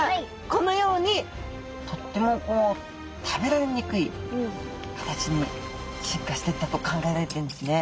このようにとってもこう食べられにくい形に進化していったと考えられているんですね。